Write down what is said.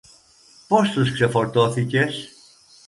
Πώς τους ξεφορτώθηκες;